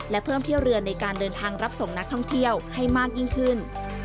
และเพิ่มเที่ยวเรือนในการเดินทางรับส่งนักท่องเที่ยวให้มากยิ่งขึ้น